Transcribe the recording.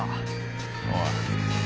おい。